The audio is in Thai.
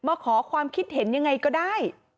จะเชิญพักไหนมาขอความคิดเห็นยังไงก็ได้